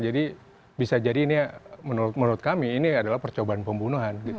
jadi bisa jadi ini menurut kami ini adalah percobaan pembunuhan